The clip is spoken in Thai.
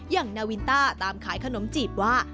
นาวินต้าตามขายขนมจีบว่า